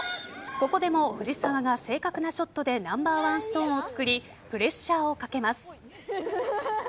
ここでも藤澤が正確なショットでナンバーワンストーンを作りプレッシャーをかけます。